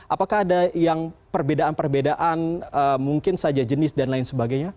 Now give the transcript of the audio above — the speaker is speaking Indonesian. apakah ada yang perbedaan perbedaan mungkin saja jenis dan lain sebagainya